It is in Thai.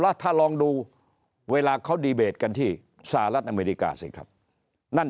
แล้วถ้าลองดูเวลาเขาดีเบตกันที่สหรัฐอเมริกาสิครับนั่น